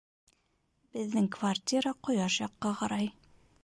Беҙҙең квартира ҡояш яҡҡа ҡарай